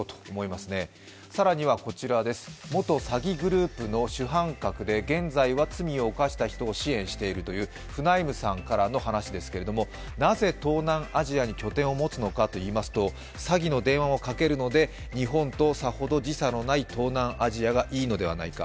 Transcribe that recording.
更には元詐欺グループの主犯格で現在は罪を犯した人を支援しているというフナイムさんからの話ですけども、なぜ東南アジアに拠点を持つのかといいますと、詐欺の電話を掛けるので日本とさほど時差がない東南アジアがいいのではないか。